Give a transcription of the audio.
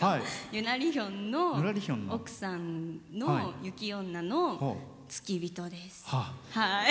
ぬらりひょんの奥さんの雪女の付き人です。